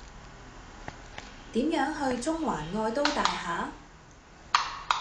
點樣去中環愛都大廈